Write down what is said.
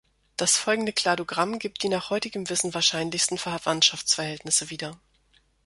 Das folgende Kladogramm gibt die nach heutigem Wissen wahrscheinlichsten Verwandtschaftsverhältnisse wieder.